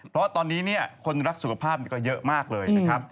เพราะตอนนี้คนรักสุขภาพก็เยอะมากเลยนะครับ